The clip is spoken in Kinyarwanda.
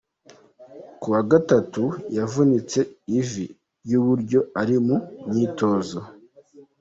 Ku wa gatatu, yavunitse ivi ry'iburyo ari mu myitozo.